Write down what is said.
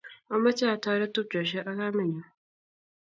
Amoche atoret tupchoshe ak kamenyu